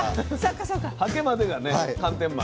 はけまでがね寒天マン。